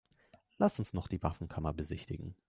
Lass uns noch die Waffenkammer besichtigen.